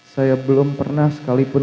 saya belum pernah sekalipun